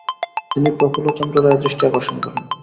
তিনি প্রফুল্লচন্দ্র রায়ের দৃষ্টি আকর্ষণ করেন।